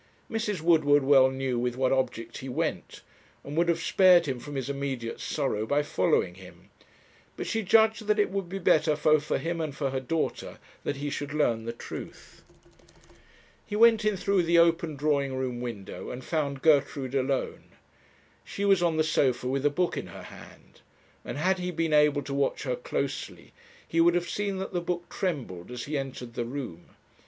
Mrs. Woodward well knew with what object he went, and would have spared him from his immediate sorrow by following him; but she judged that it would be better both for him and for her daughter that he should learn the truth. He went in through the open drawing room window, and found Gertrude alone. She was on the sofa with a book in her hand; and had he been able to watch her closely he would have seen that the book trembled as he entered the room.